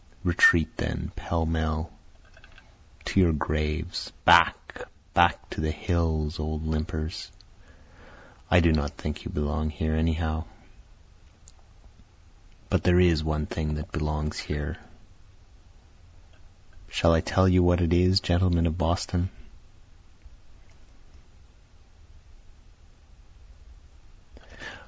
Retreat then pell mell! To your graves back back to the hills old limpers! I do not think you belong here anyhow. But there is one thing that belongs here shall I tell you what it is, gentlemen of Boston?